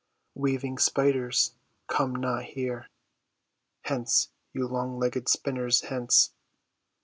Weaving spiders, come not here; Hence, you long legg'd spinners, hence!